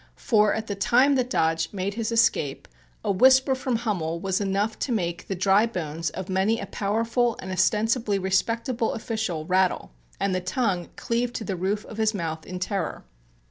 For, at the time that Dodge made his escape, a whisper from Hummel was enough to make the dry bones of many a powerful and ostensibly respectable official rattle and the tongue cleave to the roof of his mouth in terror.